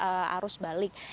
masuki arus balik